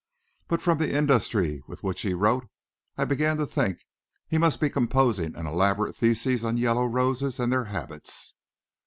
But from the industry with which he wrote, I began to think he must be composing an elaborate thesis on yellow roses and their habits.